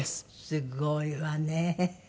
すごいわね。